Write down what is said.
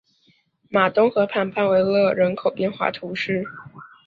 马东河畔班维勒人口变化图示